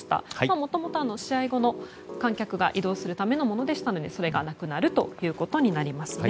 もともと試合後の観客が移動するためのものでしたのでそれがなくなることになりますね。